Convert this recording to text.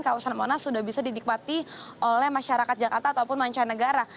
kawasan monas sudah bisa dinikmati oleh masyarakat jakarta ataupun mancanegara